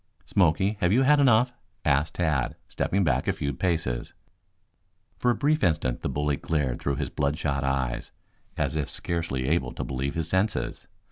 "Smoky, have you had enough?" asked Tad, stepping back a few paces. For a brief instant the bully glared through his bloodshot eyes, as if scarcely able to believe his senses.